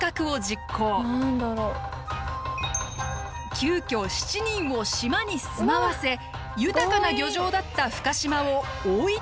急きょ７人を島に住まわせ豊かな漁場だった深島を大分側のものにしたのです。